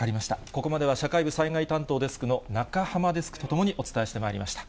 ここまでは社会部災害担当デスクの中濱デスクと共にお伝えしてまいりました。